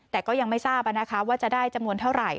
แต่ก็ยังไม่ทราบว่าจะได้จำนวนเท่าไหร่